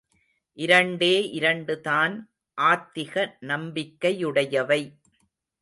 இரண்டே இரண்டுதான் ஆத்திக நம்பிக்கையுடையவை.